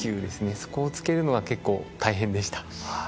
そこをつけるのが結構大変でした。